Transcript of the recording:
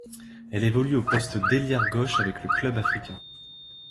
Elle évolue au poste d'ailière gauche avec le Club africain.